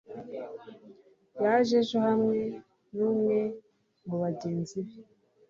yaje ejo hamwe numwe mubagenzi be.